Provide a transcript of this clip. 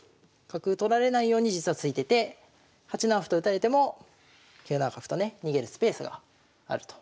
角取られないように実は突いてて８七歩と打たれても９七角とね逃げるスペースがあると。